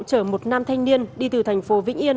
chở một nam thanh niên đi từ thành phố vĩnh yên